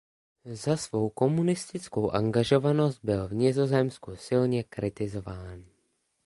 Za svou komunistickou angažovanost byl v Nizozemsku silně kritizován.